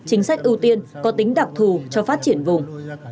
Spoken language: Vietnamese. chính sách ưu tiên có tính đặc thù cho phát triển vùng